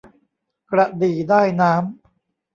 กระดี่ได้น้ำ